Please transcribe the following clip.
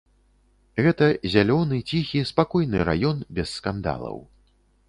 Гэта зялёны, ціхі, спакойны раён без скандалаў.